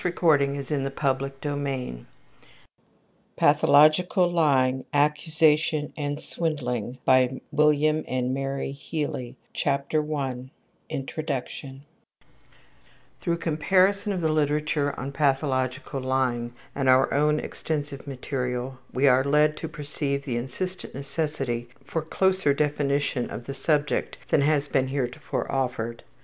CONCLUSIONS INDEX OF AUTHORS INDEX OF TOPICS PATHOLOGICAL LYING, ACCUSATION, AND SWINDLING CHAPTER I INTRODUCTION Through comparison of the literature on pathological lying with our own extensive material we are led to perceive the insistent necessity for closer definition of the subject than has been heretofore offered.